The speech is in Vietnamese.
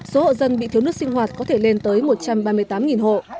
số hộ dân bị thiếu nước sinh hoạt có thể lên tới một trăm ba mươi tám hộ